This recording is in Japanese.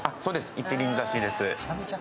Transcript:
一輪挿しです。